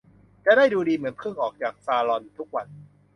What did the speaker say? จะได้ดูดีเหมือนเพิ่งออกจากซาลอนทุกวัน